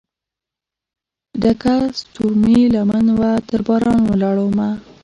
ډکه دستورومې لمن وه ترباران ولاړ مه